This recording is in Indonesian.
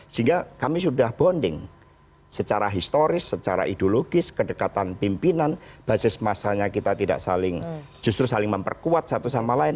sehingga kami sudah bonding secara historis secara ideologis kedekatan pimpinan basis masanya kita tidak saling justru saling memperkuat satu sama lain